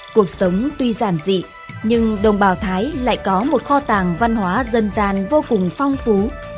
cuộc sống tuy giản dị nhưng đồng bào thái lại có một kho tàng văn hóa dân gian vô cùng phong phú